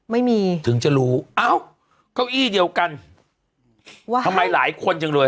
ไม่มีถึงจะรู้เอ้าเก้าอี้เดียวกันว่าทำไมหลายคนจังเลย